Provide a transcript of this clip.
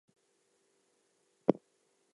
This remixed version does not appear on the album.